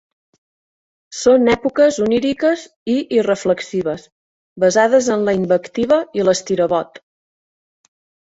Són èpoques oníriques i irreflexives, basades en la invectiva i l'estirabot.